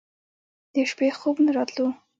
د شپې خوب نه راتلو.